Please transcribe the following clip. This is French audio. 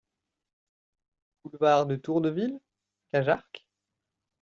Boulevard de Tour-de-Ville, Cajarc